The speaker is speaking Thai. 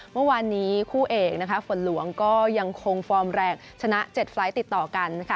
เมื่อวานนี้คู่เอกนะคะฝนหลวงก็ยังคงฟอร์มแรงชนะ๗ไฟล์ติดต่อกันนะคะ